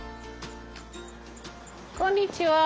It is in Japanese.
こんにちは。